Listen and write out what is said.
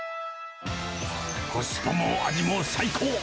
コスパも味も最高！